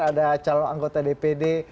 ada calon anggota dpd